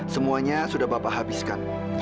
semuanya sudah bapak habiskan